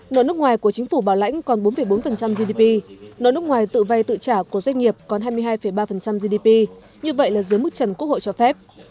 nợ nước ngoài của chính phủ bảo lãnh còn bốn bốn gdp nợ nước ngoài tự vay tự trả của doanh nghiệp còn hai mươi hai ba gdp như vậy là dưới mức trần quốc hội cho phép